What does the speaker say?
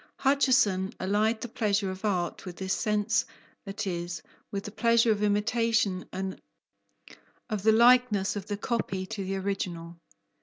Hutcheson allied the pleasure of art with this sense, that is, with the pleasure of imitation and of the likeness of the copy to the original.